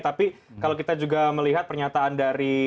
tapi kalau kita juga melihat pernyataan dari